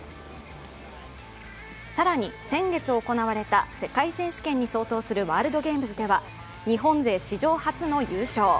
更に先月行われた世界選手権に相当するワールドゲームズでは日本勢史上初の優勝。